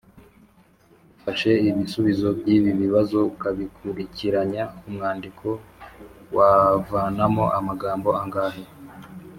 ufashe ibisubizo by’ibi bibazo ukabikurikiranya umwandiko wavanamo amagambo angahe